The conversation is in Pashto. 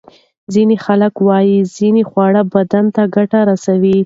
ځینې خلک وايي ځینې خواړه بدن ته ګټه رسوي.